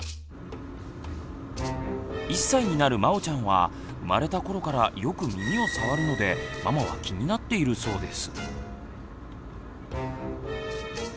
１歳になるまおちゃんは生まれた頃からよく耳を触るのでママは気になっているそうです。